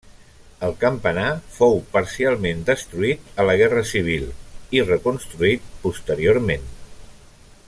El campanar fou parcialment destruït a la guerra civil, i reconstruït posteriorment.